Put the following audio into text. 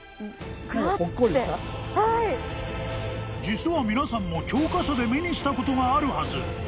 ［実は皆さんも教科書で目にしたことがあるはず］